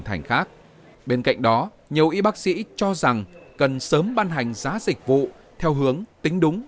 thành khác bên cạnh đó nhiều y bác sĩ cho rằng cần sớm ban hành giá dịch vụ theo hướng tính đúng